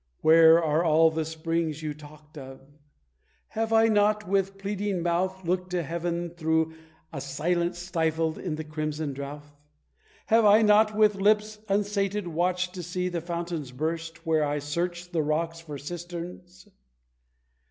"Where are all the springs you talked of? Have I not with pleading mouth Looked to Heaven through a silence stifled in the crimson drouth? Have I not, with lips unsated, watched to see the fountains burst, Where I searched the rocks for cisterns?